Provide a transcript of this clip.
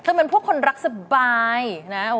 เป็นพวกคนรักสบายนะ